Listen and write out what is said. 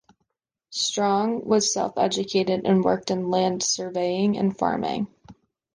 Strong was self-educated and worked in land surveying and farming.